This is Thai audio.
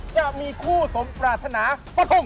จะมีคู่สมปราธนาสะทง